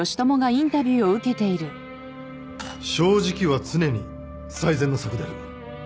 正直は常に最善の策である。